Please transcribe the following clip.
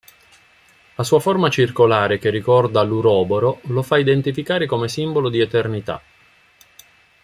La sua forma circolare che ricorda l'Uroboro lo fa identificare come simbolo di eternità.